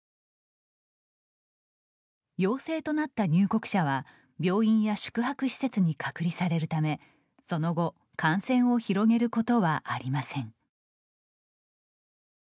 陽性となった入国者は病院や宿泊施設に隔離されるためその後感染を広げることはありません。